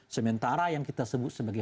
sementara yang kita sebut sebagai